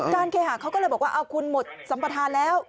เคหาเขาก็เลยบอกว่าเอาคุณหมดสัมปทานแล้ว